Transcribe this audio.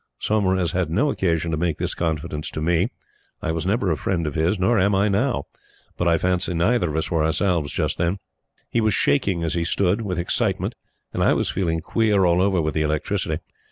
Saumarez had no occasion to make this confidence to me. I was never a friend of his, nor am I now; but I fancy neither of us were ourselves just then. He was shaking as he stood with excitement, and I was feeling queer all over with the electricity.